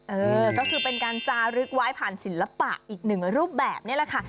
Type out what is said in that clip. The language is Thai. เออก็คือเป็นการจารึกไว้ผ่านศิลปะอีกหนึ่งรูปแบบนี้แหละค่ะ